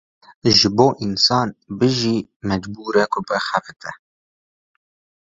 Ji bo însan bijî mecbûre ku bixebite.